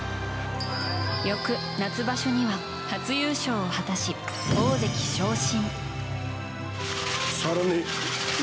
翌夏場所には初優勝を果たし、大関昇進。